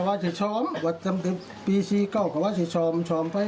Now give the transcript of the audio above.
วัดศิษย์ชอมวัดศิษย์ปี๔๙ก็ว่าวัดศิษย์ชอมชอมไป